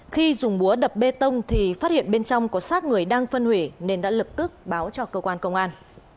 khi dùng búa đập bê tông thì phát hiện bên trong có sát người đang phân hủy nên đã lập tức báo cho cơ quan công an